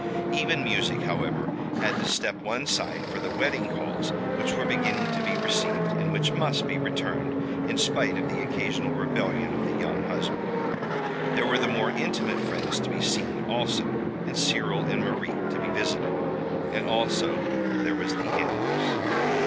Even music, however, had to step one side for the wedding calls which were beginning to be received, and which must be returned, in spite of the occasional rebellion of the young husband. There were the more intimate friends to be seen, also, and Cyril and Marie to be visited. And always there was the Annex.